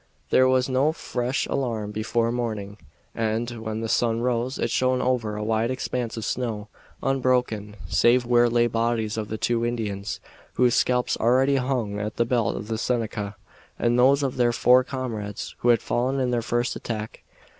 There was no fresh alarm before morning, and, when the sun rose, it shone over a wide expanse of snow, unbroken save where lay the bodies of the two Indians whose scalps already hung at the belt of the Seneca and those of their four comrades who had fallen in the first attack.